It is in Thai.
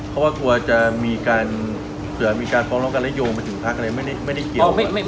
เพราะว่ากลัวจะมีการเผื่อมีการฟ้องร้องกันและโยงไปถึงพักอะไรไม่ได้เกี่ยว